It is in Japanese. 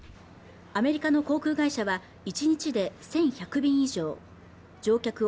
アメリカの航空会社は１日で１１００便以上乗客